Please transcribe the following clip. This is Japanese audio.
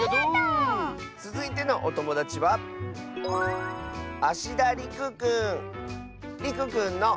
つづいてのおともだちはりくくんの。